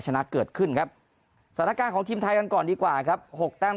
ชนะเกิดขึ้นครับสถานการณ์ของทีมไทยกันก่อนดีกว่าครับ๖แต้ม